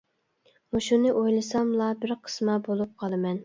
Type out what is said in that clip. مۇشۇنى ئويلىساملا بىر قىسما بولۇپ قالىمەن.